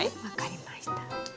分かりました。